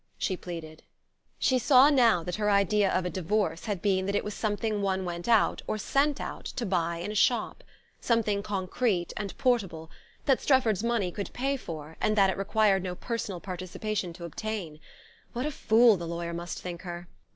she pleaded. She saw now that her idea of a divorce had been that it was something one went out or sent out to buy in a shop: something concrete and portable, that Strefford's money could pay for, and that it required no personal participation to obtain. What a fool the lawyer must think her!